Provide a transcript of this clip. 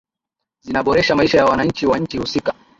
zinaboresha maisha ya wananchi wa nchi husika